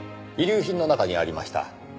遺留品の中にありました。